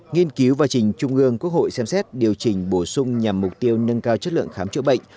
nghiên cứu và trình trung ương quốc hội xem xét điều chỉnh bổ sung nhằm mục tiêu nâng cao chất lượng khám chữa bệnh